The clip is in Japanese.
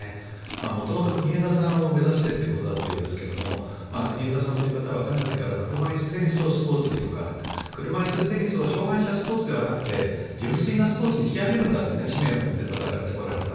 元々、国枝さんを目指してということだったようですが国枝さんという方はかねてから車いすテニスをスポーツにとか車いすテニスを障害者スポーツではなく純粋なスポーツに引き上げるんだという使命を持って戦ってこられた。